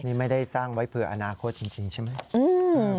นี่ไม่ได้สร้างไว้เผื่ออนาคตจริงใช่ไหม